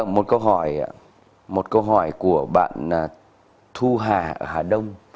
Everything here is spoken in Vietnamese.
một câu hỏi của bạn thu hà ở hà đông